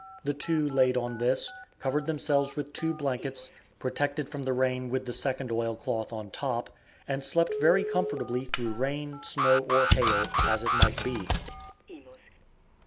The two laid on this, covered themselves with two blankets, protected from the rain with the second oil cloth on top, and slept very comfortably through rain, snow or hail, as it might be.